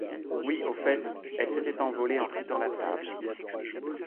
Oui, au fait, elle s'était envolée en quittant la table.